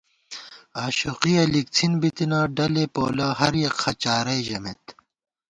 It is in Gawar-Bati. آشوقِیَہ لِکڅِھن بِتنہ ، دلے پولہ ہریَک خہ چارَئی ژمېت